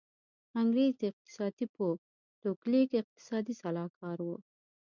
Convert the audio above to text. انګرېز اقتصاد پوه ټو کلیک اقتصادي سلاکار و.